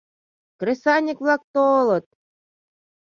— Кресаньык-влак толыт!..